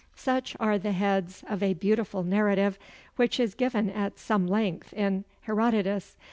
Such are the heads of a beautiful narrative which is given at some length in Herodotus.